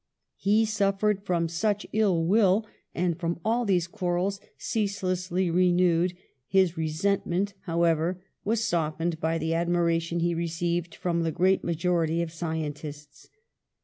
He suffered from such ill will, and from all these quarrels, ceaselessly renewed; his resent ment, however, was softened by the admiration he received from the great majority of scien tists.